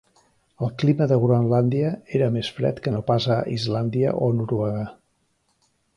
El clima de Groenlàndia era més fred que no pas a Islàndia i a Noruega.